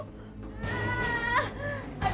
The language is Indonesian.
tenang ya pak